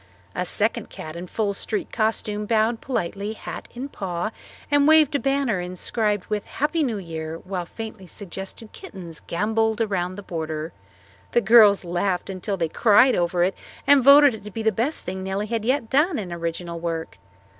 A second cat in full street costume bowed politely, hat in paw, and waved a banner inscribed with "Happy New Year," while faintly suggested kittens gambolled around the border. The girls laughed until they cried over it and voted it to be the best thing Nellie had yet done in original work.